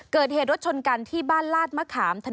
เกิดเหตุรถชนกันที่บ้านลาดมะขาม